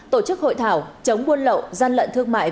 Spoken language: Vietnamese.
tổ chức hội thảo chống buôn lậu gian lận thương mại